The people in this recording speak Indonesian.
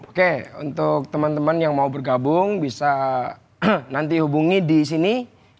oke untuk teman teman yang mau bergabung bisa nanti hubungi di sini